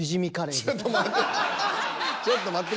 ちょっと待って。